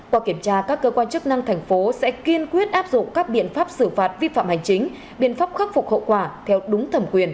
qua kiểm tra các cơ quan chức năng thành phố sẽ kiên quyết áp dụng các biện pháp xử phạt vi phạm hành chính biện pháp khắc phục hậu quả theo đúng thẩm quyền